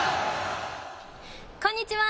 こんにちは！